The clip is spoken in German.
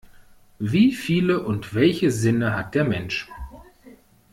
Wie viele und welche Sinne hat der Mensch?